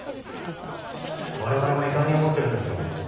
我々も遺憾に思ってるんですよ。